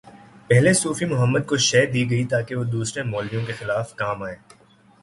پہلے صوفی محمد کو شہ دی گئی تاکہ وہ دوسرے مولویوں کے خلاف کام آئیں۔